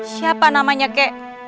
siapa namanya kek